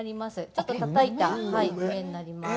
ちょっとたたいた梅になります。